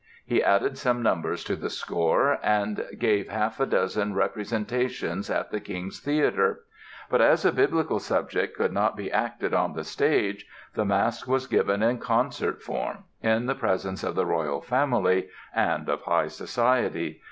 He added some numbers to the score and gave half a dozen representations at the King's Theatre; but as a Biblical subject could not be acted on the stage the masque was given in concert form, in the presence of the royal family and of High Society.